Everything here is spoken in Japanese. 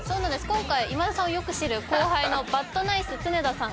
今回今田さんをよく知る後輩のバッドナイス常田さん